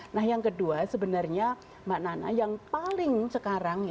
nah yang kedua sebenarnya mbak nana yang paling sekarang